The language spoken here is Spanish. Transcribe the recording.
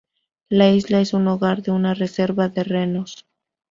La isla es el hogar de una reserva de renos.